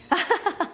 ハハハ！